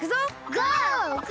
ゴー！